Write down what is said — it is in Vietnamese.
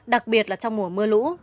đặc biệt là trong mùa mưa lũ